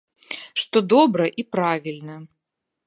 Што добра і правільна.